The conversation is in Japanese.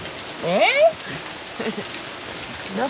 えっ？